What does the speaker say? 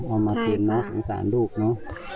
เอามาคืนนะสงสารลูกเนอะ